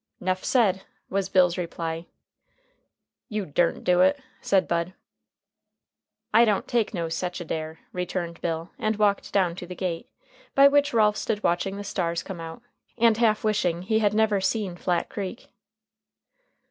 "'Nough said," was Bill's reply. "You durn't do it," said Bud. "I don't take no sech a dare," returned Bill, and walked down to the gate, by which Ralph stood watching the stars come out, and half wishing he had never seen Flat Creek.